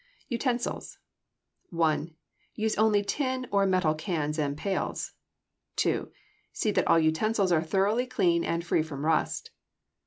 Utensils 1. Use only tin or metal cans and pails. 2. See that all utensils are thoroughly clean and free from rust.